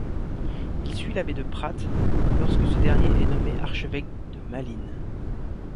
Il suit l’abbé de Pradt lorsque ce dernier est nommé archevêque de Malines.